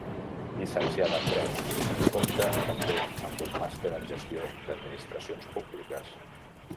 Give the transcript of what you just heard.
Llicenciada en Dret, compte també amb un Màster en Gestió d'Administracions Públiques.